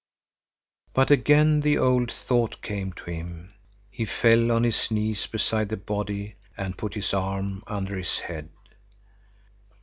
But again the old thought came to him. He fell on his knees beside the body and put his arm under his head.